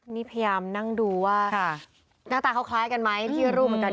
นี่พยายามนั่งดูว่าหน้าตาเขาคล้ายกันไหมที่รูปเหมือนกัน